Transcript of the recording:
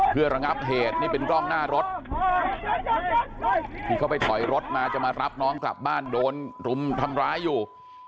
เพื่อระงับเหตุนี่เป็นกล้องหน้ารถที่เขาไปถอยรถมาจะมารับน้องกลับบ้านโดนรุมทำร้ายอยู่